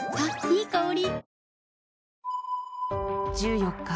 いい香り。